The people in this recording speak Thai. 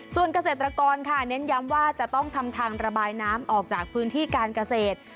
ส่วนเกษตรกรค่ะเน้นย้ำว่าจะต้องทำทางระบายน้ำออกจากพื้นที่การเกษตร